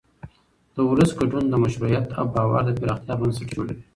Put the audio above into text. د ولس ګډون د مشروعیت او باور د پراختیا بنسټ جوړوي